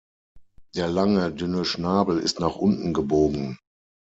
Der lange, dünne Schnabel ist nach unten gebogen.